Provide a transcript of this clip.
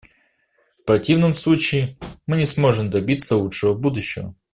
В противном случае, мы не сможем добиться лучшего будущего.